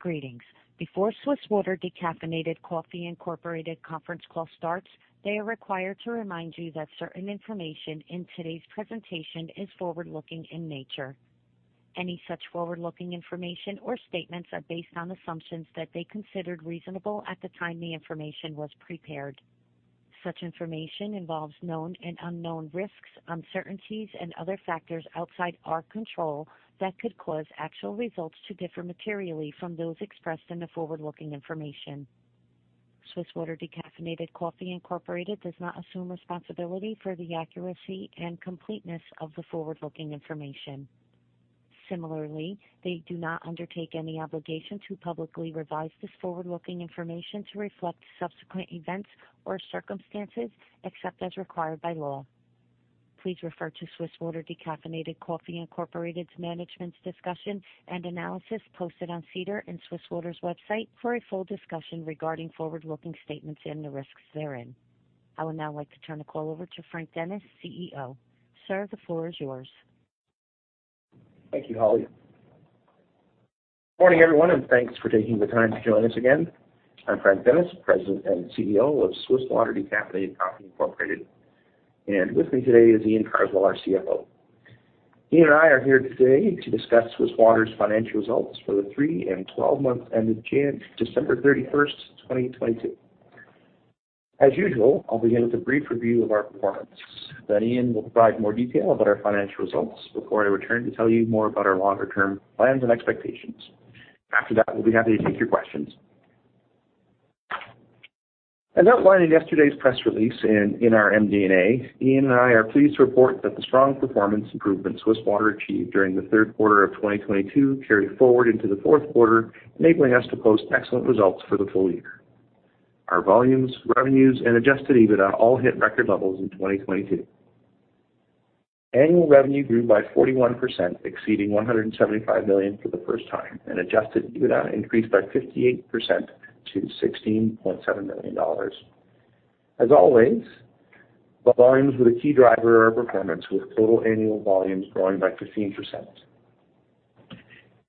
Greetings. Before Swiss Water Decaffeinated Coffee Inc. conference call starts, they are required to remind you that certain information in today's presentation is forward-looking in nature. Any such forward-looking information or statements are based on assumptions that they considered reasonable at the time the information was prepared. Such information involves known and unknown risks, uncertainties, and other factors outside our control that could cause actual results to differ materially from those expressed in the forward-looking information. Swiss Water Decaffeinated Coffee Incorporated does not assume responsibility for the accuracy and completeness of the forward-looking information. Similarly, they do not undertake any obligations to publicly revise this forward-looking information to reflect subsequent events or circumstances, except as required by law. Please refer to Swiss Water Decaffeinated Coffee Incorporated management's discussion and analysis posted on SEDAR and Swiss Water's website for a full discussion regarding forward-looking statements and the risks therein. I would now like to turn the call over to Frank Dennis, CEO. Sir, the floor is yours. Thank you, Holly. Morning, everyone, and thanks for taking the time to join us again. I'm Frank Dennis, President and CEO of Swiss Water Decaffeinated Coffee Incorporated. With me today is Iain Carswell, our CFO. Iain and I are here today to discuss Swiss Water's financial results for the 3 and 12 months ended December 31, 2022. As usual, I'll begin with a brief review of our performance, Iain will provide more detail about our financial results before I return to tell you more about our longer term plans and expectations. After that, we'll be happy to take your questions. As outlined in yesterday's press release and in our MD&A, Iain and I are pleased to report that the strong performance improvement Swiss Water achieved during the third quarter of 2022 carried forward into the fourth quarter, enabling us to post excellent results for the full-year. Our volumes, revenues, and adjusted EBITDA all hit record levels in 2022. Annual revenue grew by 41%, exceeding 175 million for the first time, and adjusted EBITDA increased by 58% to 16.7 million dollars. As always, the volumes were the key driver of our performance, with total annual volumes growing by 15%.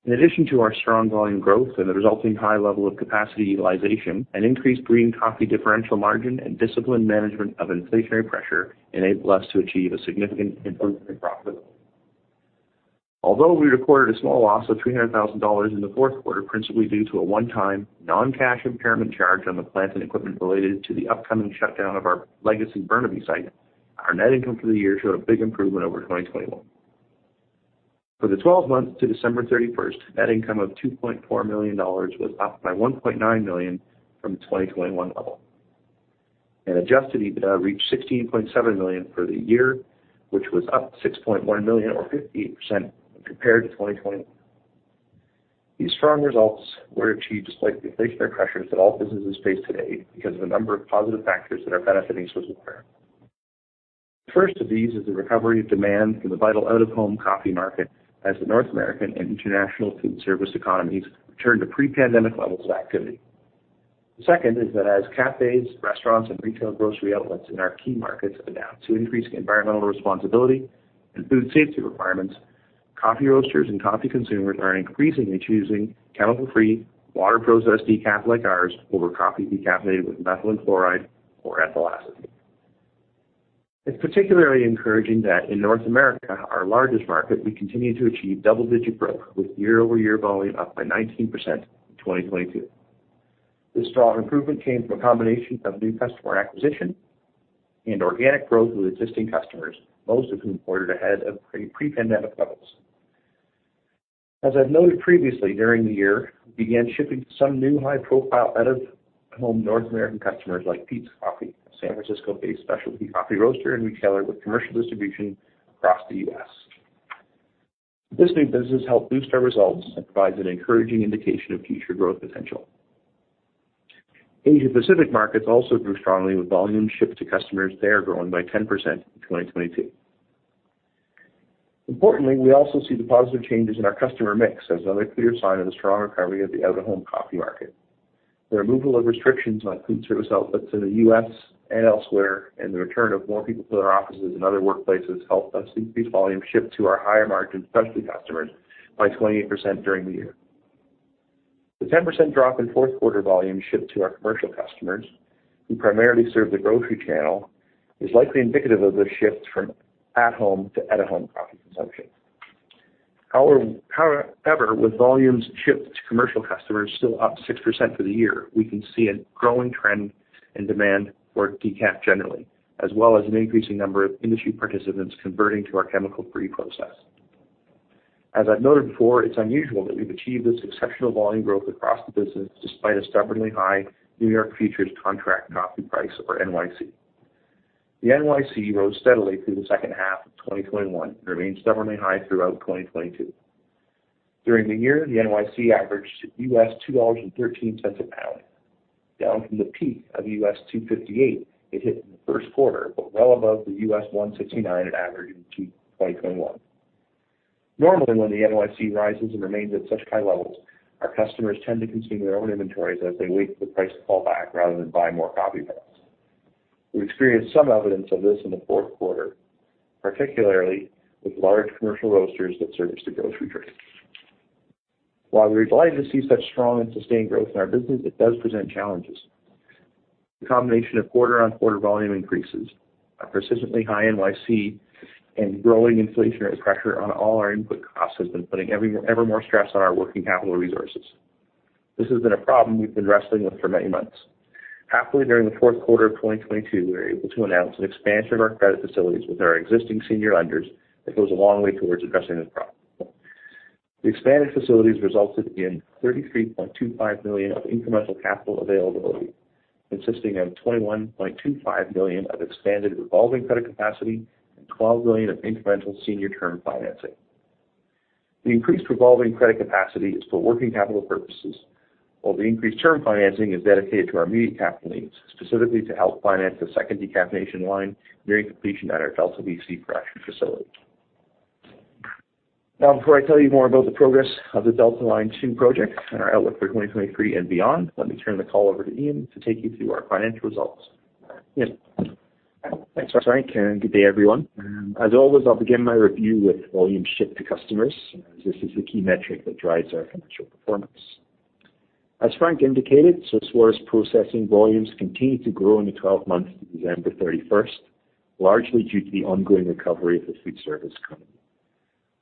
In addition to our strong volume growth and the resulting high level of capacity utilization and increased green coffee differential margin and disciplined management of inflationary pressure enabled us to achieve a significant improvement in profit. Although we recorded a small loss of 300,000 dollars in the 4th quarter, principally due to a one-time non-cash impairment charge on the plant and equipment related to the upcoming shutdown of our legacy Burnaby site, our net income for the year showed a big improvement over 2021. For the 12 months to December 31st, net income of 2.4 million dollars was up by 1.9 million from the 2021 level. adjusted EBITDA reached 16.7 million for the year, which was up 6.1 million or 58% compared to 2021. These firm results were achieved despite the inflationary pressures that all businesses face today because of a number of positive factors that are benefiting Swiss Water. The first of these is the recovery of demand in the vital out-of-home coffee market as the North American and International Foodservice economies return to pre-pandemic levels of activity. The second is that as cafes, restaurants, and retail grocery outlets in our key markets adapt to increased environmental responsibility and food safety requirements, coffee roasters and coffee consumers are increasingly choosing chemical-free water-processed decaf like ours over coffee decaffeinated with methylene chloride or ethyl acetate. It's particularly encouraging that in North America, our largest market, we continue to achieve double-digit growth, with year-over-year volume up by 19% in 2022. This strong improvement came from a combination of new customer acquisition and organic growth with existing customers, most of whom ordered ahead of pre-pandemic levels. As I've noted previously, during the year, we began shipping some new high-profile out-of-home North American customers like Peet's Coffee, a San Francisco-based specialty coffee roaster and retailer with commercial distribution across the U.S. This new business helped boost our results and provides an encouraging indication of future growth potential. Asia-Pacific markets also grew strongly, with volumes shipped to customers there growing by 10% in 2022. Importantly, we also see the positive changes in our customer mix as another clear sign of the strong recovery of the out-of-home coffee market. The removal of restrictions on food service outlets in the U.S. and elsewhere, and the return of more people to their offices and other workplaces helped us increase volume shipped to our higher-margin specialty customers by 28% during the year. The 10% drop in fourth quarter volume shipped to our commercial customers who primarily serve the grocery channel is likely indicative of the shift from at home to out-of-home coffee consumption. However, with volumes shipped to commercial customers still up 6% for the year, we can see a growing trend in demand for decaf generally, as well as an increasing number of industry participants converting to our chemical-free process. As I've noted before, it's unusual that we've achieved this exceptional volume growth across the business despite a stubbornly high New York Futures contract coffee price for NYC. The NYC rose steadily through the second half of 2021 and remained stubbornly high throughout 2022. During the year, the NYC averaged $2.13 a pound, down from the peak of $2.58 it hit in the first quarter. Well above the $1.69 it averaged in 2021. Normally, when the NYC rises and remains at such high levels, our customers tend to consume their own inventories as they wait for the price to fall back rather than buy more coffee for us. We experienced some evidence of this in the fourth quarter, particularly with large commercial roasters that service the grocery trade. While we're delighted to see such strong and sustained growth in our business, it does present challenges. The combination of quarter-on-quarter volume increases, a persistently high NYC, and growing inflationary pressure on all our input costs has been putting ever more stress on our working capital resources. This has been a problem we've been wrestling with for many months. Happily, during the fourth quarter of 2022, we were able to announce an expansion of our credit facilities with our existing senior lenders that goes a long way towards addressing this problem. The expanded facilities resulted in 33.25 million of incremental capital availability, consisting of 21.25 million of expanded revolving credit capacity and 12 million of incremental senior term financing. The increased revolving credit capacity is for working capital purposes, while the increased term financing is dedicated to our immediate capital needs, specifically to help finance the second decaffeination line nearing completion at our Delta, BC production facility. Before I tell you more about the progress of the Delta Line Two project and our outlook for 2023 and beyond, let me turn the call over to Iain to take you through our financial results. Iain? Thanks, Frank, and good day, everyone. As always, I'll begin my review with volume shipped to customers, as this is the key metric that drives our financial performance. As Frank indicated, Swiss Water's processing volumes continued to grow in the 12 months to December 31st, largely due to the ongoing recovery of the Foodservice economy.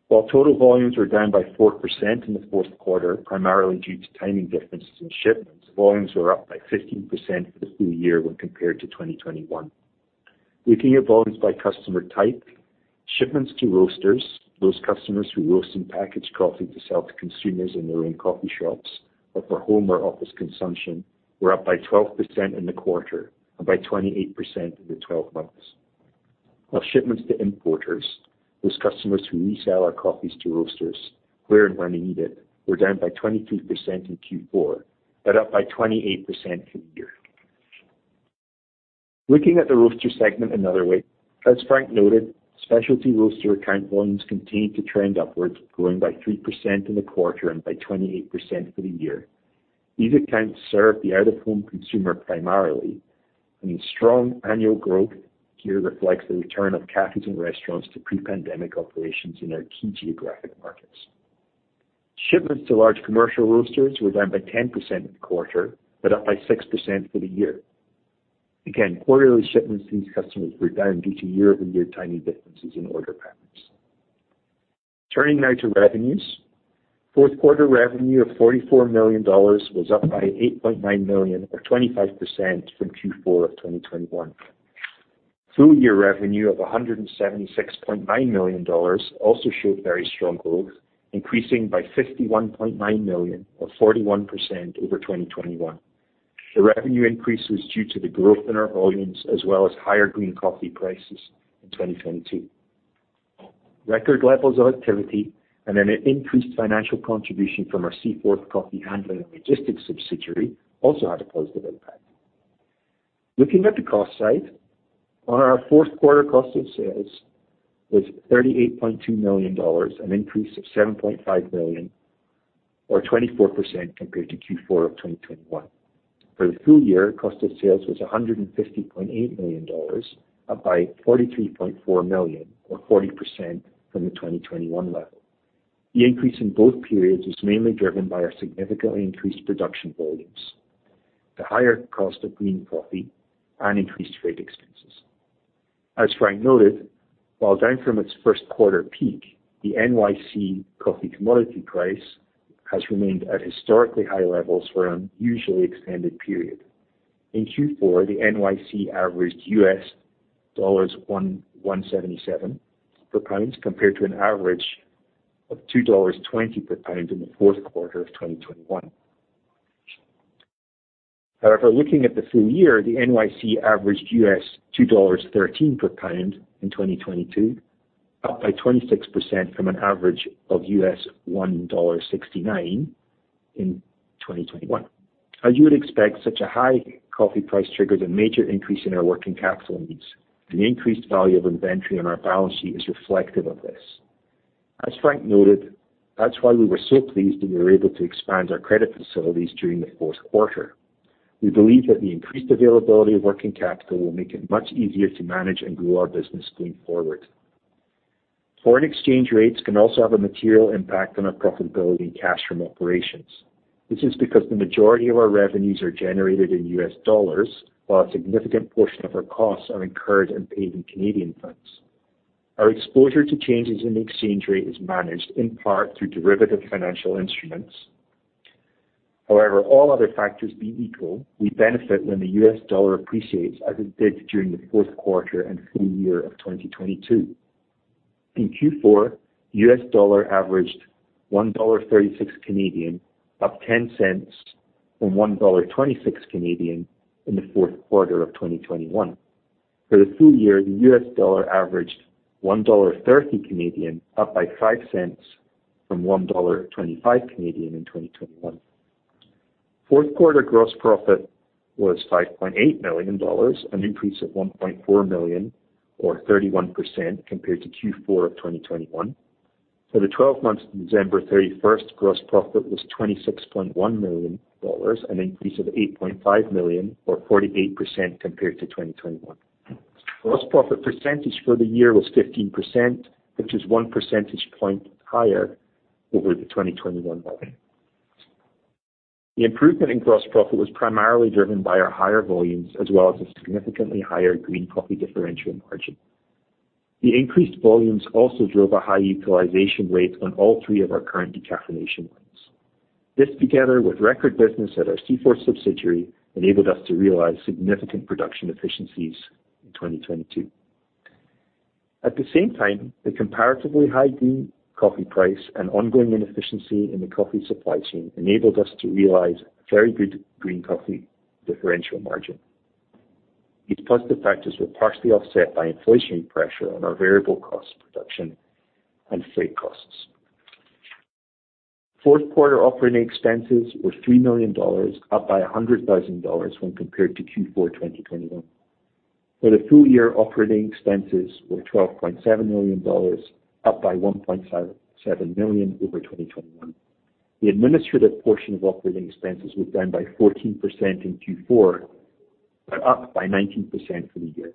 While total volumes were down by 4% in the fourth quarter, primarily due to timing differences in shipments, volumes were up by 15% for the full year when compared to 2021. Looking at volumes by customer type, shipments to roasters, those customers who roast and package coffee to sell to consumers in their own coffee shops or for home or office consumption, were up by 12% in the quarter and by 28% in the 12 months. Shipments to importers, those customers who resell our coffees to roasters where and when they need it, were down by 22% in Q4, but up by 28% for the year. Looking at the Roaster segment another way, as Frank noted, specialty Roaster account volumes continued to trend upwards, growing by 3% in the quarter and by 28% for the year. These accounts serve the out-of-home consumer primarily, and the strong annual growth here reflects the return of cafes and restaurants to pre-pandemic operations in our key geographic markets. Shipments to large commercial roasters were down by 10% in the quarter, but up by 6% for the year. Quarterly shipments to these customers were down due to year-over-year timing differences in order patterns. Turning now to revenues. Fourth quarter revenue of 44 million dollars was up by 8.9 million or 25% from Q4 of 2021. Full-year revenue of 176.9 million dollars also showed very strong growth, increasing by 51.9 million or 41% over 2021. The revenue increase was due to the growth in our volumes as well as higher green coffee prices in 2022. Record levels of activity and an increased financial contribution from our Seaforth Coffee handling and logistics subsidiary also had a positive impact. Looking at the cost side, on our fourth quarter cost of sales was 38.2 million dollars, an increase of 7.5 million or 24% compared to Q4 of 2021. For the full-year, cost of sales was 150.8 million dollars, up by 43.4 million or 40% from the 2021 level. The increase in both periods was mainly driven by our significantly increased production volumes, the higher cost of green coffee, and increased freight expenses. As Frank noted, while down from its first quarter peak, the NYC coffee commodity price has remained at historically high levels for an unusually extended period. In Q4, the NYC averaged $1.77 per pound, compared to an average of $2.20 per pound in the fourth quarter of 2021. However, looking at the full-year, the NYC averaged US $2.13 per pound in 2022, up by 26% from an average of U.S. $1.69 in 2021. As you would expect, such a high coffee price triggers a major increase in our working capital needs. The increased value of inventory on our balance sheet is reflective of this. As Frank noted, that's why we were so pleased that we were able to expand our credit facilities during the fourth quarter. We believe that the increased availability of working capital will make it much easier to manage and grow our business going forward. Foreign exchange rates can also have a material impact on our profitability and cash from operations. This is because the majority of our revenues are generated in U.S. dollars, while a significant portion of our costs are incurred and paid in Canadian funds. Our exposure to changes in the exchange rate is managed in part through derivative financial instruments. All other factors being equal, we benefit when the U.S. dollar appreciates as it did during the fourth quarter and full-year of 2022. In Q4, U.S. dollar averaged $1.36 CAD, up $0.10 from $1.26 CAD in the fourth quarter of 2021. For the full-year, the U.S. dollar averaged $1.30 CAD, up by $0.05 from $1.25 CAD in 2021. Fourth quarter gross profit was 5.8 million dollars, an increase of 1.4 million or 31% compared to Q4 of 2021. For the 12 months to December 31st, gross profit was 26.1 million dollars, an increase of 8.5 million or 48% compared to 2021. Gross profit percentage for the year was 15%, which is 1 % point higher over the 2021 level. The improvement in gross profit was primarily driven by our higher volumes as well as a significantly higher green coffee differential margin. The increased volumes also drove a high utilization rate on all three of our current decaffeination lines. This, together with record business at our Seaforth subsidiary, enabled us to realize significant production efficiencies in 2022. At the same time, the comparatively high green coffee price and ongoing inefficiency in the coffee supply chain enabled us to realize very good green coffee differential margin. These positive factors were partially offset by inflationary pressure on our variable cost production and freight costs. Fourth quarter operating expenses were 3 million dollars, up by 100,000 dollars when compared to Q4 2021. For the full-year, operating expenses were 12.7 million dollars, up by 1.77 million over 2021. The administrative portion of operating expenses was down by 14% in Q4, but up by 19% for the year.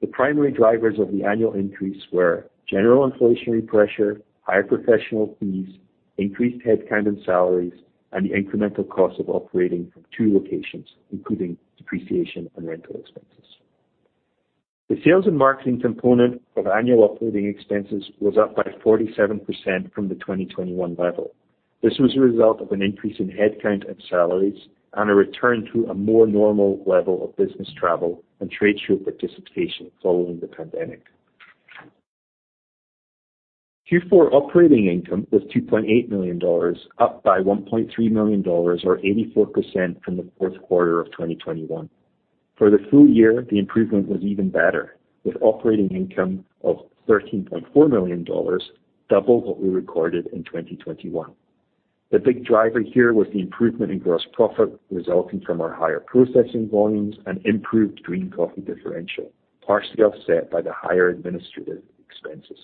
The primary drivers of the annual increase were general inflationary pressure, higher professional fees, increased headcount and salaries, and the incremental cost of operating from two locations, including depreciation and rental expenses. The sales and marketing component of annual operating expenses was up by 47% from the 2021 level. This was a result of an increase in headcount and salaries and a return to a more normal level of business travel and trade show participation following the pandemic. Q4 operating income was 2.8 million dollars, up by 1.3 million dollars or 84% from the fourth quarter of 2021. For the full-year, the improvement was even better, with operating income of 13.4 million dollars, double what we recorded in 2021. The big driver here was the improvement in gross profit resulting from our higher processing volumes and improved green coffee differential, partially offset by the higher administrative expenses.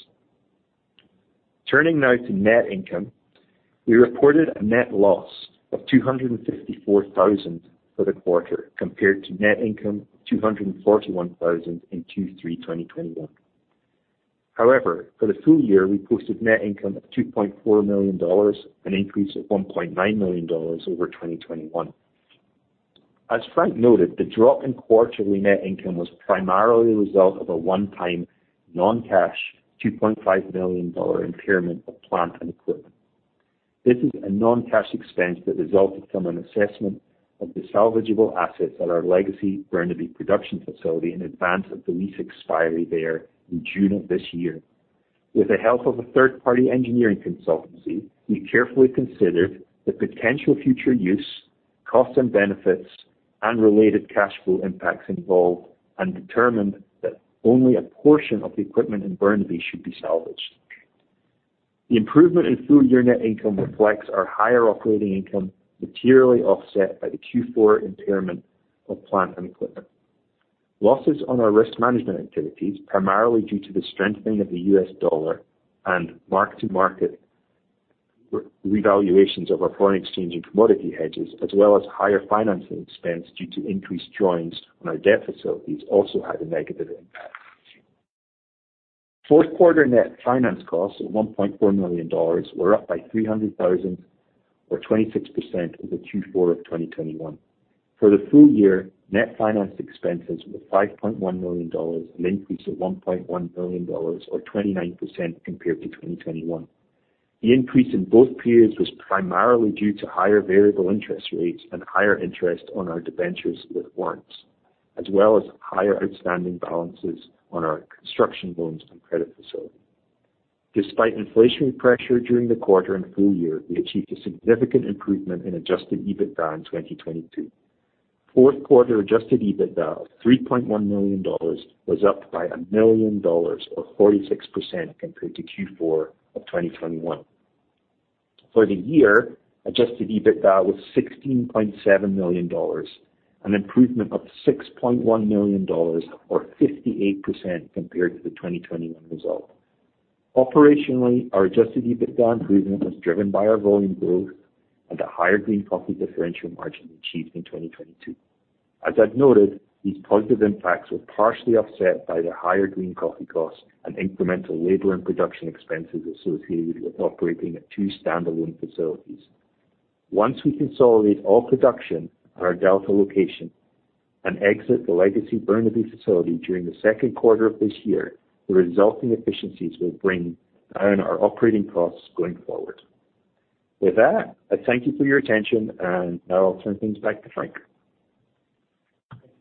Turning now to net income. We reported a net loss of 254,000 for the quarter, compared to net income of 241,000 in Q3 2021. For the full-year, we posted net income of 2.4 million dollars, an increase of 1.9 million dollars over 2021. As Frank noted, the drop in quarterly net income was primarily a result of a one-time non-cash 2.5 million dollar impairment of plant and equipment. This is a non-cash expense that resulted from an assessment of the salvageable assets at our legacy Burnaby production facility in advance of the lease expiry there in June of this year. With the help of a third-party engineering consultancy, we carefully considered the potential future use, costs and benefits, and related cash flow impacts involved, and determined that only a portion of the equipment in Burnaby should be salvaged. The improvement in full-year net income reflects our higher operating income materially offset by the Q4 impairment of plant and equipment. Losses on our risk management activities, primarily due to the strengthening of the U.S. dollar and mark-to-market revaluations of our foreign exchange and commodity hedges, as well as higher financing expense due to increased drawings on our debt facilities, also had a negative impact. Fourth quarter net finance costs of 1.4 million dollars were up by 300,000 or 26% over Q4 of 2021. For the full-year, net finance expenses were 5.1 million dollars, an increase of 1.1 million dollars or 29% compared to 2021. The increase in both periods was primarily due to higher variable interest rates and higher interest on our debentures with warrants, as well as higher outstanding balances on our construction loans and credit facility. Despite inflationary pressure during the quarter and full-year, we achieved a significant improvement in adjusted EBITDA in 2022. Fourth quarter adjusted EBITDA of 3.1 million dollars was up by 1 million dollars or 46% compared to Q4 of 2021. For the year, adjusted EBITDA was 16.7 million dollars, an improvement of 6.1 million dollars or 58% compared to the 2021 result. Operationally, our adjusted EBITDA improvement was driven by our volume growth and the higher green coffee differential margin achieved in 2022. As I've noted, these positive impacts were partially offset by the higher green coffee cost and incremental labor and production expenses associated with operating at two standalone facilities. Once we consolidate all production at our Delta location and exit the legacy Burnaby facility during the second quarter of this year, the resulting efficiencies will bring down our operating costs going forward. With that, I thank you for your attention, and now I'll turn things back to Frank.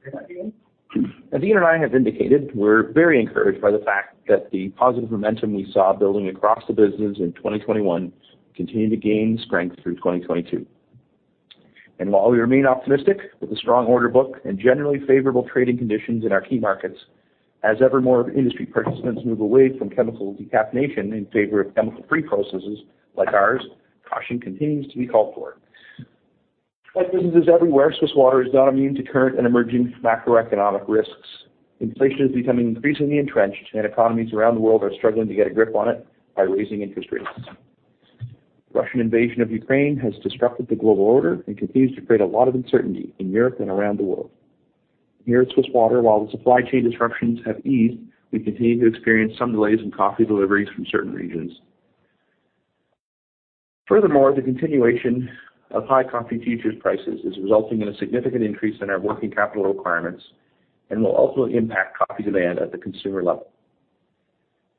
As Iain and I have indicated, we're very encouraged by the fact that the positive momentum we saw building across the business in 2021 continued to gain strength through 2022. While we remain optimistic with a strong order book and generally favorable trading conditions in our key markets, as ever more industry participants move away from chemical decaffeination in favor of chemical-free processes like ours, caution continues to be called for. Like businesses everywhere, Swiss Water is not immune to current and emerging macroeconomic risks. Inflation is becoming increasingly entrenched, and economies around the world are struggling to get a grip on it by raising interest rates. Russian invasion of Ukraine has disrupted the global order and continues to create a lot of uncertainty in Europe and around the world. Here at Swiss Water, while the supply chain disruptions have eased, we continue to experience some delays in coffee deliveries from certain regions. The continuation of high coffee futures prices is resulting in a significant increase in our working capital requirements and will also impact coffee demand at the consumer level.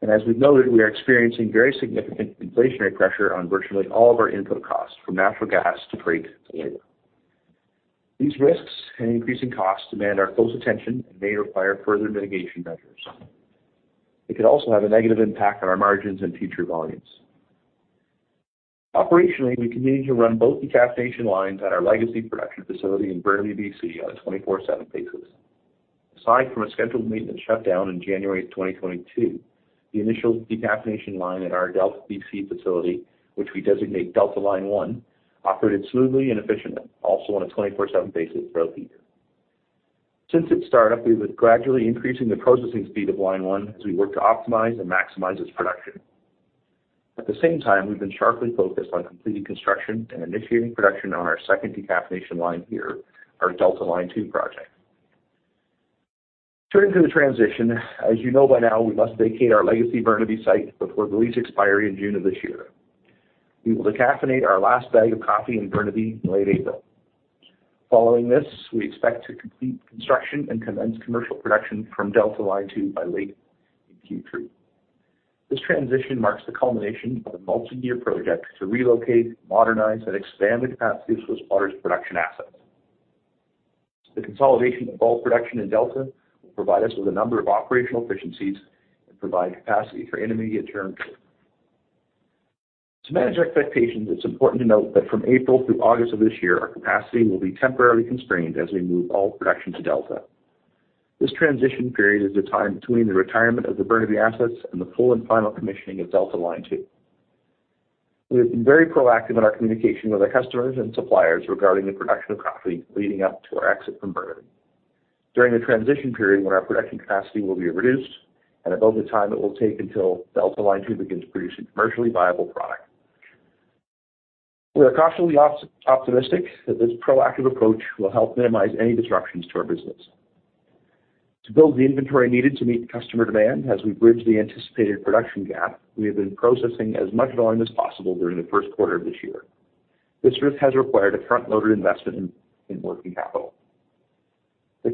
As we've noted, we are experiencing very significant inflationary pressure on virtually all of our input costs, from natural gas to freight to labor. These risks and increasing costs demand our close attention and may require further mitigation measures. It could also have a negative impact on our margins and future volumes. Operationally, we continue to run both decaffeination lines at our legacy production facility in Burnaby, BC on a 24/7 basis. Aside from a scheduled maintenance shutdown in January 2022, the initial decaffeination line at our Delta, BC facility, which we designate, operated smoothly and efficiently, also on a 24/7 basis throughout the year. Since its start up, we've been gradually increasing the processing speed of Line One as we work to optimize and maximize its production. At the same time, we've been sharply focused on completing construction and initiating production on our second decaffeination line here, our Delta Line Two project. Turning to the transition, as you know by now, we must vacate our legacy Burnaby site before the lease expiry in June of this year. We will decaffeinate our last bag of coffee in Burnaby in late April. Following this, we expect to complete construction and commence commercial production from Delta Line Two by late Q3. This transition marks the culmination of a multi-year project to relocate, modernize, and expand the capacity of Swiss Water's production assets. The consolidation of all production in Delta will provide us with a number of operational efficiencies and provide capacity for intermediate term. To manage expectations, it's important to note that from April through August of this year, our capacity will be temporarily constrained as we move all production to Delta. This transition period is the time between the retirement of the Burnaby assets and the full and final commissioning of Delta Line Two. We have been very proactive in our communication with our customers and suppliers regarding the production of coffee leading up to our exit from Burnaby. During the transition period when our production capacity will be reduced and above the time it will take until Delta Line Two begins producing commercially viable product. We are cautiously optimistic that this proactive approach will help minimize any disruptions to our business. To build the inventory needed to meet customer demand as we bridge the anticipated production gap, we have been processing as much volume as possible during the first quarter of this year. This risk has required a front-loaded investment in working capital. The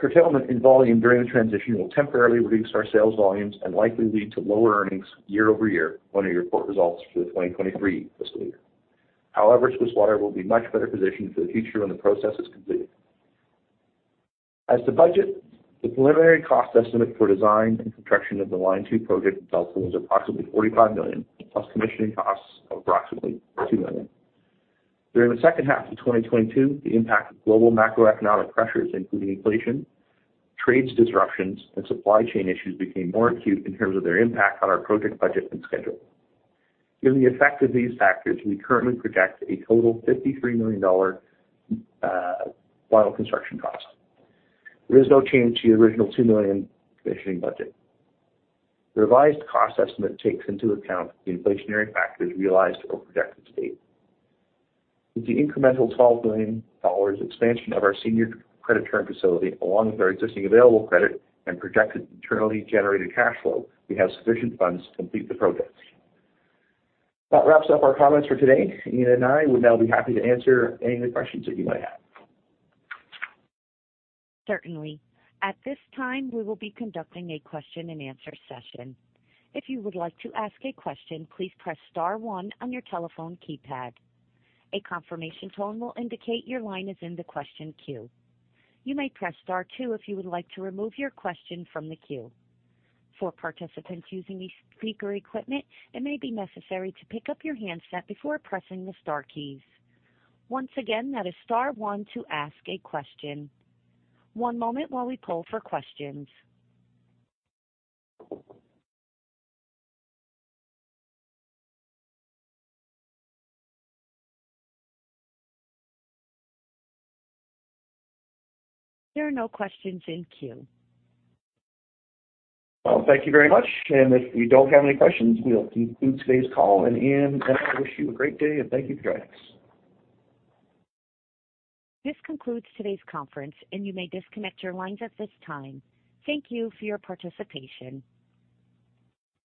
curtailment in volume during the transition will temporarily reduce our sales volumes and likely lead to lower earnings year-over-year when we report results for the 2023 fiscal year. However, Swiss Water will be much better positioned for the future when the process is completed. As to budget, the preliminary cost estimate for design and construction of the Line Two project in Delta was approximately 45 million, plus commissioning costs of approximately 2 million. During the second half of 2022, the impact of global macroeconomic pressures, including inflation, trades disruptions, and supply chain issues, became more acute in terms of their impact on our project budget and schedule. Given the effect of these factors, we currently project a total 53 million dollar final construction cost. There is no change to the original 2 million commissioning budget. The revised cost estimate takes into account the inflationary factors realized or projected to date. With the incremental CAD 12 million expansion of our senior credit term facility, along with our existing available credit and projected internally generated cash flow, we have sufficient funds to complete the projects. That wraps up our comments for today. Iain and I would now be happy to answer any of the questions that you might have. Certainly. At this time, we will be conducting a question-and-answer session. If you would like to ask a question, please press Star one on your telephone keypad. A confirmation tone will indicate your line is in the question queue. You may press Star two if you would like to wish you a great day and thank you for joining us. This concludes today's conference. You may disconnect your lines at this time. Thank you for your participation.